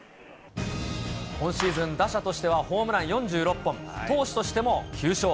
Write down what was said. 今シーズン、打者としてはホームラン４６本、投手としても９勝。